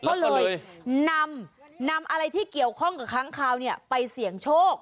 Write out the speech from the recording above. ก็เลยนำนำอะไรที่เกี่ยวข้องกับค้างคาวเนี่ยไปเสี่ยงโชค